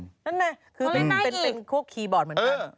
นั่นไงคือเป็นพวกคีย์บอร์ดเหมือนกัน